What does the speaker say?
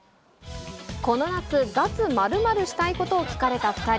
この夏、脱○○したいことを聞かれた２人。